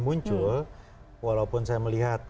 muncul walaupun saya melihat